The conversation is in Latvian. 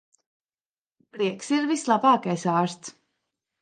Prieks ir vislabākais ārsts.